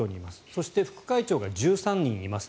そして副会長が１３人います。